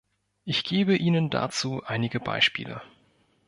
Ich gebe Ihnen dazu einige Beispiele.